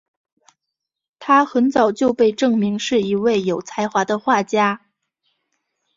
她很早就被证明是一位有才华的画家。